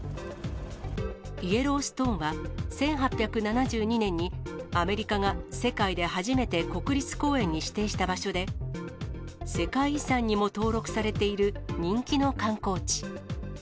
イエローストーンは、１８７２年にアメリカが世界で初めて国立公園に指定した場所で、世界遺産にも登録されている人気の観光地。